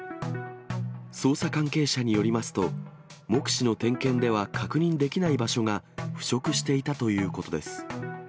捜査関係者によりますと、目視の点検では確認できない場所が腐食していたということです。